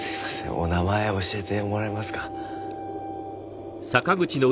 お名前教えてもらえますか？